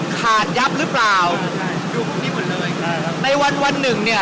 ขาดยับหรือเปล่าใช่ดูพรุ่งนี้หมดเลยใช่ครับในวันวันหนึ่งเนี้ย